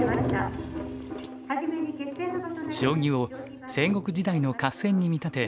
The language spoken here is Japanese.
将棋を戦国時代の合戦に見立て